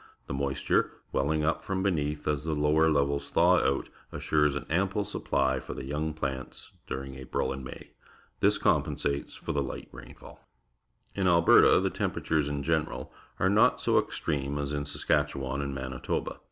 The moisture, welling up from beneath as the lower levels thaw out, assures an ample supply for the young plants during April and May. Tliis compensates for the hght rainfall. In .Hberta, the temperatures, in general, are not so extreme as in Saskatchewan raid Manitoba.